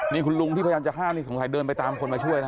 นี่คุณลุงที่พยายามจะห้ามนี่สงสัยเดินไปตามคนมาช่วยนะ